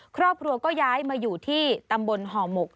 ครอบครัวก็ย้ายมาอยู่ที่ตำบลห่อหมก